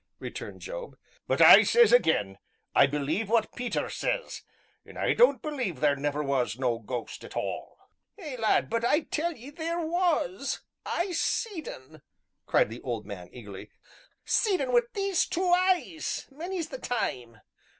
returned Job, "but I sez again, I believe what Peter sez, an' I don't believe there never was no ghost at all." "Ay, lad, but I tell 'ee theer was I seed un!" cried the old man eagerly, "seed un wi' these two eyes, many's the time.